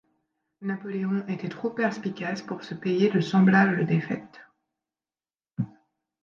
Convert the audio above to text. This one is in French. Napoléon était trop perspicace pour se payer de semblables défaites.